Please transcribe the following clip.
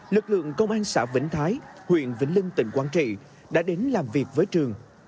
lực lượng công an xã vĩnh thái huyện vĩnh linh tỉnh quảng trị đã đến làm việc với trường